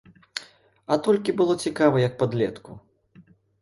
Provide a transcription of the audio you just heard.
А толькі было цікава як падлетку.